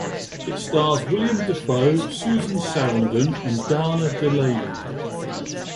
It stars Willem Dafoe, Susan Sarandon, and Dana Delany.